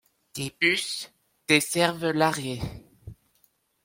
Des bus desservent l'arrêt.